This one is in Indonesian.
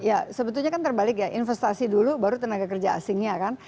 ya sebetulnya kan terbalik ya investasi dulu baru tenaga kerja asingnya kan